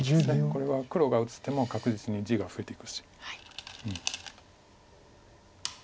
これは黒が打つ手も確実に地が増えていくし。